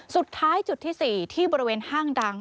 สุดท้ายจุดที่๔ที่บริเวณห้างดัง